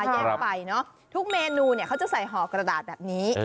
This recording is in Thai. แยกไปเนอะทุกเมนูเนี่ยเขาจะใส่ห่อกระดาษแบบนี้